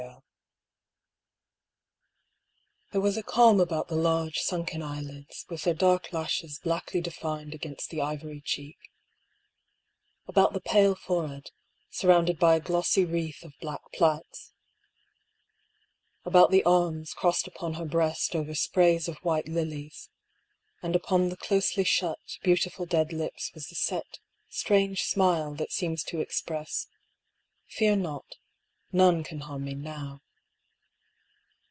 PAULKS THEORY. There was a calm about the large sunken eyelids, with their dark lashes blackly defined against the ivory cheek — about the pale forehead, surrounded by a glossy wreath of black plaits — about the arms, crossed upon her breast over sprays of white lilies; and upon the closely shut, beautiful dead lips was the set, strange smile that seems to express: "Fear not — none can harm me, now."